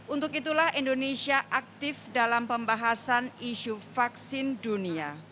untuk itulah indonesia aktif dalam pembahasan isu vaksin dunia